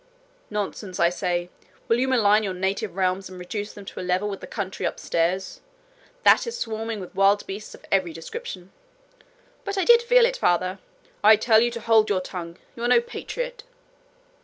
'Nonsense, I say. Will you malign your native realms and reduce them to a level with the country upstairs? That is swarming with wild beasts of every description.' 'But I did feel it, father.' 'I tell you to hold your tongue. You are no patriot.'